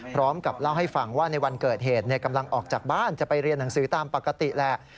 พร้อมกับเล่าให้ฟังว่าในวันเกิดเหตุกำลังออกจากบ้านจะไปเรียนหนังสือตามปกติแหละ